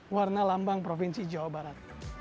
warna lambang provinsi jawa barat